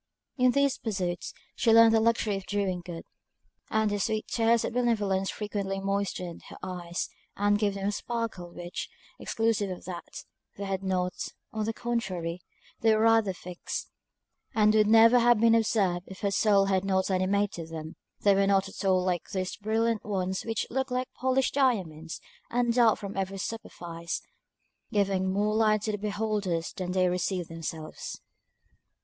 In these pursuits she learned the luxury of doing good; and the sweet tears of benevolence frequently moistened her eyes, and gave them a sparkle which, exclusive of that, they had not; on the contrary, they were rather fixed, and would never have been observed if her soul had not animated them. They were not at all like those brilliant ones which look like polished diamonds, and dart from every superfice, giving more light to the beholders than they receive themselves.